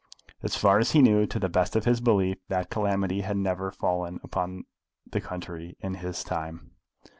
As far as he knew, to the best of his belief, that calamity had never fallen upon the country in his time.